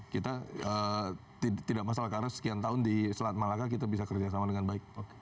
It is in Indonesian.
kita tidak masalah karena sekian tahun di selat malaka kita bisa kerjasama dengan baik